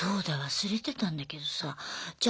忘れてたんだけどさじゃ